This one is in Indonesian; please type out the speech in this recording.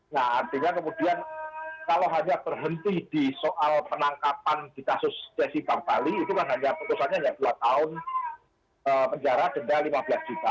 nah artinya kemudian kalau hanya berhenti di soal penangkapan di kasus cesi bank bali itu kan hanya putusannya hanya dua tahun penjara denda lima belas juta